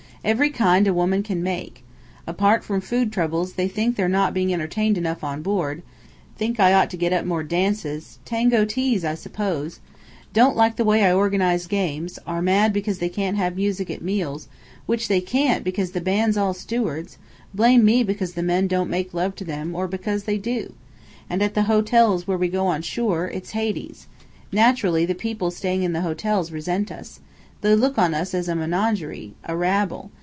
"Every kind a woman can make. Apart from food troubles, they think they're not being entertained enough on board; think I ought to get up more dances; tango teas I suppose! Don't like the way I organize games; are mad because they can't have music at meals which they can't because the band's all stewards; blame me because the men don't make love to them, or because they do. And at the hotels where we go on shore, it's Hades. Naturally the people staying in the hotels resent us. They look on us as a menagerie a rabble.